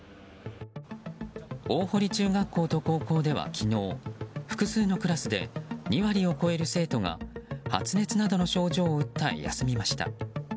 大濠中学校と高校では、昨日複数のクラスで２割を超える生徒が発熱などの症状を訴え休みました。